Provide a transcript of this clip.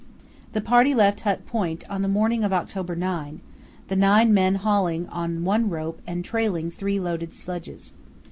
The party left Hut Point on the morning of October 9, the nine men hauling on one rope and trailing three loaded sledges.